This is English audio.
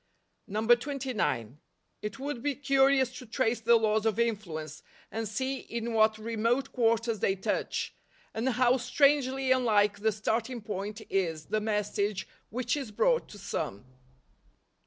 134 NOVEMBER. 29. "It would be curious to trace the laws of influence, and see in what remote quarters they touch; and how strangely unlike the starting point is the message which is brought to some."